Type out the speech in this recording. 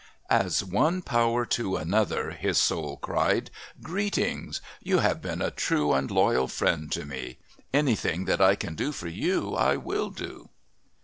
"As one power to another," his soul cried, "greetings! You have been a true and loyal friend to me. Anything that I can do for You I will do...."